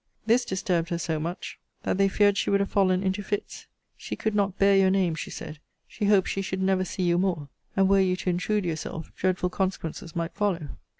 This disturbed her so much, that they feared she would have fallen into fits. She could not bear your name, she said. She hoped she should never see you more: and, were you to intrude yourself, dreadful consequences might follow.